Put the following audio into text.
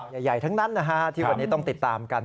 ใหญ่ทั้งนั้นนะฮะที่วันนี้ต้องติดตามกัน